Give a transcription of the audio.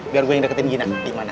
biar gua yang deketin gina